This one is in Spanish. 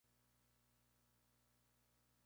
Se encuentra en el Museo Van Gogh de Ámsterdam.